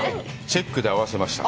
チェックで合わせました。